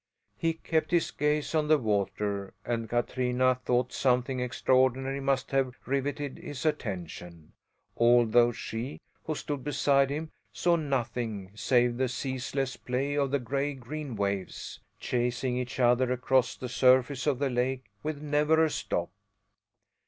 He kept his gaze on the water and Katrina thought something extraordinary must have riveted his attention, although she, who stood beside him, saw nothing save the ceaseless play of the gray green waves, chasing each other across the surface of the lake, with never a stop.